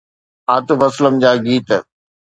عاطف اسلم جا گيت